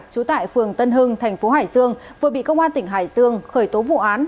trú tại phường tân hưng thành phố hải dương vừa bị công an tỉnh hải dương khởi tố vụ án